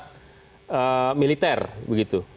itu aparat militer begitu